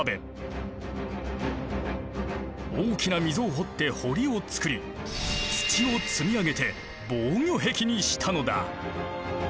大きな溝を掘って堀をつくり土を積み上げて防御壁にしたのだ。